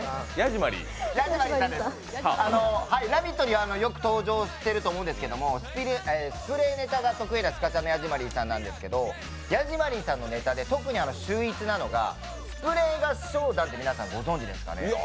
「ラヴィット！」にはよく登場してるんですけどスプレーネタが得意なヤジマリーさんなんですけどヤジマリーさんのネタで特に秀逸なのが、スプレー合唱団って皆さんご存じですか？